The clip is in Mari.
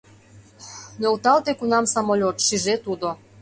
Нӧлталте кунам самолёт, шиже тудо...